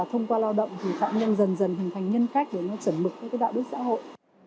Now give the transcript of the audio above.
thông qua lao động thì phạm nhân dần dần hình thành nhân cách để nó chuẩn mực với cái đạo đức xã hội